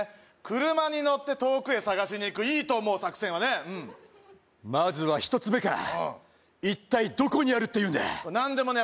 車に乗って遠くへ探しに行くいいと思う作戦はねまずは１つ目か一体どこにあるっていうんだ何でもね